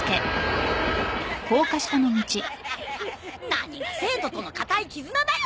何が生徒との固い絆だよ。